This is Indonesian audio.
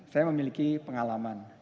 saya memiliki pengalaman